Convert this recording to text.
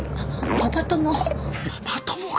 パパ友が。